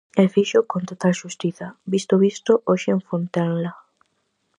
E fíxoo con total xustiza, visto o visto hoxe en Fontenla.